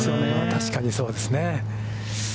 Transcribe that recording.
確かにそうですね。